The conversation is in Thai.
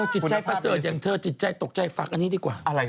จิตใจประเสริฐอย่างเธอจิตใจตกใจฝากอันนี้ดีกว่า